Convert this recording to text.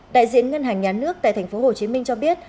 đại diện ngân hàng nhà nước tại tp hcm cho biết